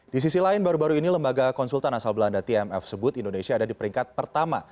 di sisi lain baru baru ini lembaga konsultan asal belanda tmf sebut indonesia ada di peringkat pertama